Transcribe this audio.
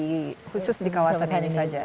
khusus di kawasan ini saja